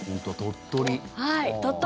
鳥取。